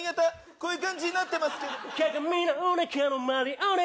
こういう感じになってます。